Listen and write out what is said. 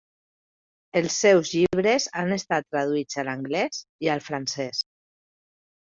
Els seus llibres han estat traduïts a l'anglès i al francès.